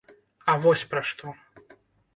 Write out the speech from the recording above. А вось пра што.